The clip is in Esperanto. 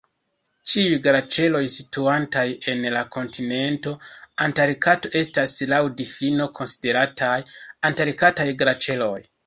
Ĉiuj glaĉeroj situantaj en la kontinento Antarkto estas laŭ difino konsiderataj Antarktaj glaĉeroj.